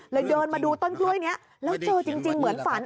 เดินมาดูต้นกล้วยนี้แล้วเจอจริงเหมือนฝัน